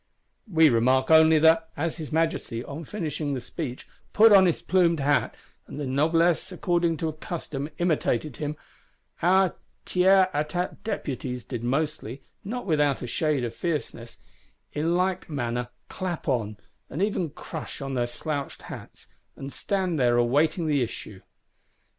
We remark only that, as his Majesty, on finishing the speech, put on his plumed hat, and the Noblesse according to custom imitated him, our Tiers Etat Deputies did mostly, not without a shade of fierceness, in like manner clap on, and even crush on their slouched hats; and stand there awaiting the issue.